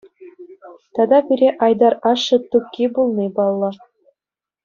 Тата пире Айтар ашшӗ Тукки пулни паллӑ.